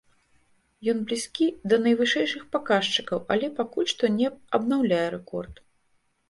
Ён блізкі да найвышэйшых паказчыкаў, але пакуль што не абнаўляе рэкорд.